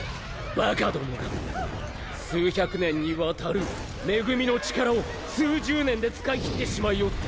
馬鹿どもが数百年にわたる恵みの力を数十年で使い切ってしまいおって。